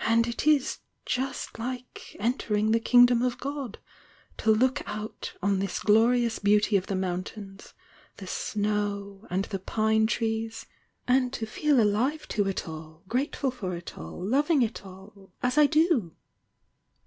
And it is just like 'entering the Kingdom of God' to look out on this glorious beauty of the mountains, the snow and the pine trees, and to feel alive to it all, grateful for it all, loving it all, — as I do!"